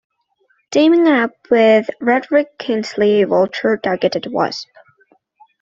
Teaming up with Roderick Kingsley, Vulture targeted Wasp.